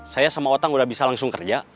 saya sama otang sudah bisa langsung kerja